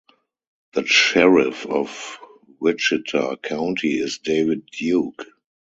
The Sheriff of Wichita County is David Duke.